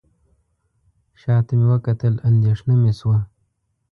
شاته مې وکتل اندېښنه مې شوه.